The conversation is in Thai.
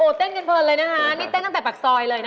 เต้นกันเพลินเลยนะคะนี่เต้นตั้งแต่ปากซอยเลยนะคะ